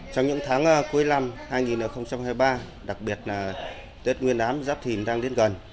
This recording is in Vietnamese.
trong những tháng cuối năm hai nghìn hai mươi ba đặc biệt là tết nguyên ám giáp thìn đang đến gần